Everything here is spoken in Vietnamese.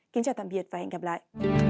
kính chào tạm biệt và hẹn gặp lại